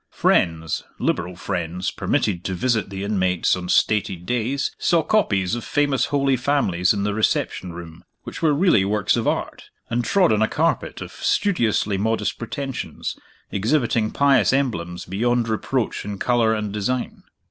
Friends, liberal friends, permitted to visit the inmates on stated days, saw copies of famous Holy Families in the reception room which were really works of Art; and trod on a carpet of studiously modest pretensions, exhibiting pious emblems beyond reproach in color and design.